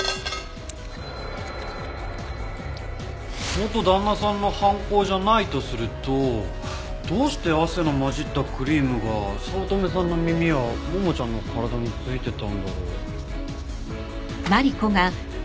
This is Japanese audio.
元旦那さんの犯行じゃないとするとどうして汗の混じったクリームが早乙女さんの耳やももちゃんの体に付いてたんだろう？